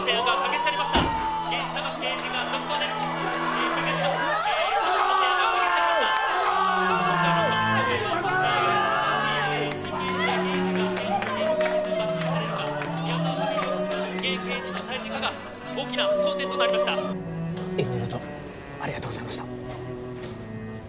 色々とありがとうございました